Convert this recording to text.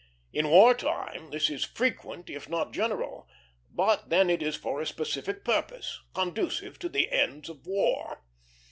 In war time this is frequent, if not general; but then it is for a specific purpose, conducive to the ends of war.